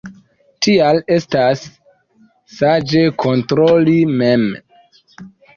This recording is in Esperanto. Tial estas saĝe kontroli mem.